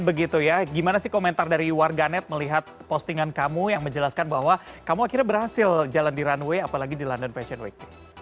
begitu ya gimana sih komentar dari warganet melihat postingan kamu yang menjelaskan bahwa kamu akhirnya berhasil jalan di runway apalagi di london fashion week